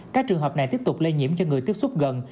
các trường hợp này tiếp tục lây nhiễm cho người tiếp xúc gần